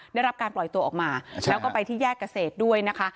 ได้รับการปล่อยตัวออกมาแล้วก็ไปที่แยกเกษตรด้วยนะคะ